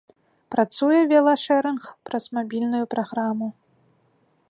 Працуе велашэрынг праз мабільную праграму.